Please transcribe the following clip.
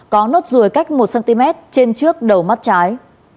có nốt ruồi cách một cm trên trước đầu mắt trái